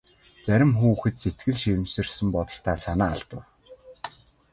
Зарим хүүхэд сэтгэл шимширсэн бололтой санаа алдав.